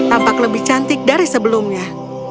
tampak lebih cantik dari sebelumnya